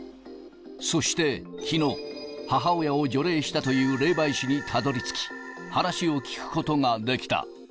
そしてきのう、母親を除霊したという霊媒師にたどりつき、話を聞くことができた。